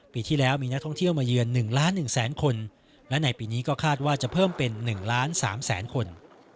ปีที่แล้วมีนักท่องเที่ยวมาเยือน๑๑๐๐๐๐๐คนและในปีนี้ก็คาดว่าจะเพิ่มเป็น๑๓๐๐๐๐๐คน